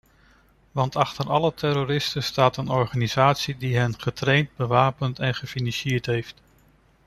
Want achter alle terroristen staat een organisatie die hen getraind, bewapend en gefinancierd heeft.